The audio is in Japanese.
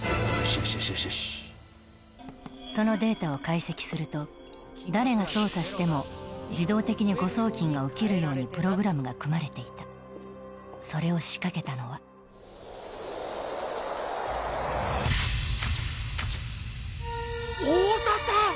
よしよしよしよしそのデータを解析すると誰が操作しても自動的に誤送金が起きるようにプログラムが組まれていたそれを仕掛けたのは太田さん！